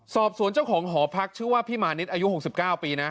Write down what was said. สอบสวนเจ้าของหอพักชื่อว่าพี่มานิดอายุ๖๙ปีนะ